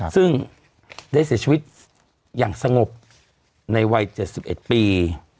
ซึ่งได้เสียชีวิตอย่างสงบในวัย๗๑ปี